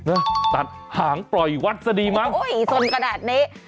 เออตัดหางปล่อยวัดซะดีมั้งโอ้โฮสนกระดาษนี้